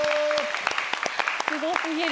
すご過ぎる。